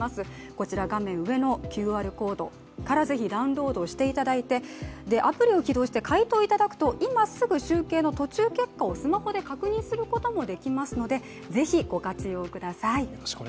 こちら、画面上のＱＲコードからぜひダウンロードしていただいて、アプリを起動して回答いただくと今すぐ集計の途中結果をスマホで確認することもできますので、ぜひご活用ください。